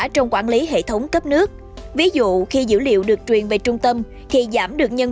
trong quản lý hệ thống cấp nước ví dụ khi dữ liệu được truyền về trung tâm thì giảm được nhân